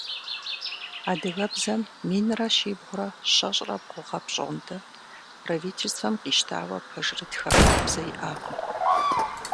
Адыгэбзэм минрэ щибгъурэ щэщӏрэ бгъу гъэ пщӏондэ правительствэм къищтауэ пэжырытхэ хабзэ иӏакъым.